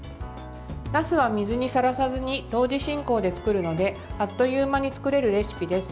なすは水にさらさずに同時進行で作るのであっという間に作れるレシピです。